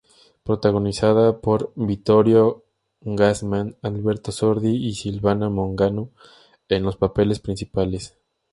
Protagonizada por Vittorio Gassman, Alberto Sordi y Silvana Mangano en los papeles principales.